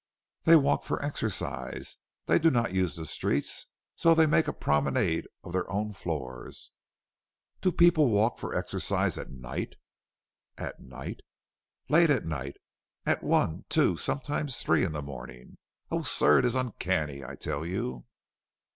"They walk for exercise; they do not use the streets, so they make a promenade of their own floors." "Do people walk for exercise at night?" "At night?" "Late at night; at one, two, sometimes three, in the morning? Oh, sir, it is uncanny, I tell you."